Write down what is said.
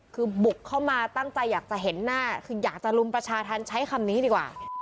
คือบุกเข้ามาตั้งใจอยากจะเห็นหน้าคืออยากจะรุมประชาธรรมใช้คำนี้ดีกว่า